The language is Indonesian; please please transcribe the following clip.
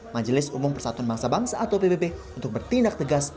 majelis umum persatuan bangsa bangsa atau pbb untuk bertindak tegas